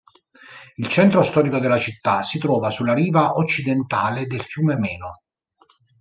Il centro storico della città si trova sulla riva occidentale del fiume Meno.